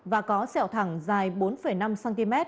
và có sẹo thẳng dài bốn năm cm